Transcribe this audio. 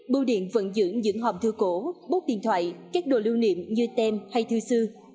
bưu điện vận dưỡng những hòm thư cổ bốt điện thoại các đồ lưu niệm như tem hay thư sư